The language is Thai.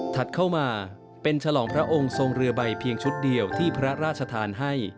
เข้ามาเป็นฉลองพระองค์ทรงเรือใบเพียงชุดเดียวที่พระราชทานให้